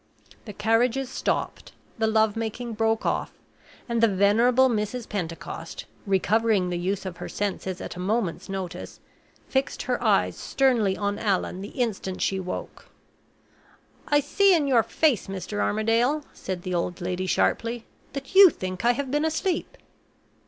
The carriages stopped, the love making broke off, and the venerable Mrs. Pentecost, recovering the use of her senses at a moment's notice, fixed her eyes sternly on Allan the instant she woke. "I see in your face, Mr. Armadale," said the old lady, sharply, "that you think I have been asleep."